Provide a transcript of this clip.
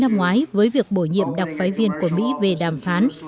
năm ngoái với việc bổ nhiệm đặc phái viên của mỹ về đàm phán